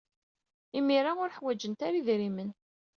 Imir-a, ur ḥwajent ara idrimen.